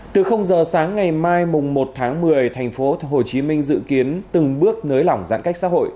từ giờ sáng ngày mai mùng một tháng một mươi thành phố hồ chí minh dự kiến từng bước nới lỏng giãn cách xã hội